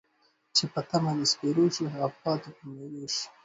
چې په تمه د سپرو شي ، هغه پاتې په میرو ښی